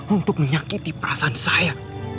untuk menyakiti perasaan saya